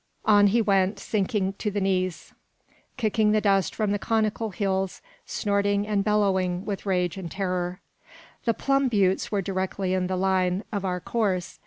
On he went, sinking to the knees, kicking the dust from the conical hills, snorting and bellowing with rage and terror. The Plum Buttes were directly in the line or our course.